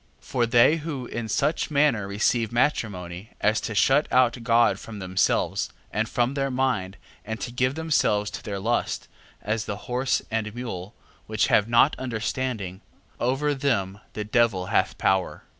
6:17. For they who in such manner receive matrimony, as to shut out God from themselves, and from their mind, and to give themselves to their lust, as the horse and mule, which have not understanding, over them the devil hath power.